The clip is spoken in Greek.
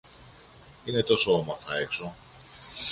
Είναι τόσο όμορφα έξω!